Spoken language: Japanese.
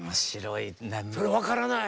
それ分からない。